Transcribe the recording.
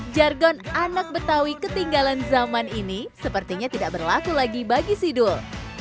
jargon anak betawi ketinggalan zaman ini sepertinya tidak berlaku lagi bagi sidul